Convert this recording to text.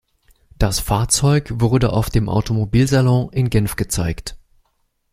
Das Fahrzeug wurde auf dem Automobil-Salon in Genf gezeigt.